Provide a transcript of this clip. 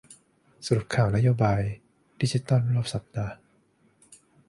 สรุปข่าวนโยบายดิจิทัลรอบสัปดาห์